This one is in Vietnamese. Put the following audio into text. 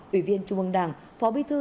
ủy viên trung ương đảng phó bí thư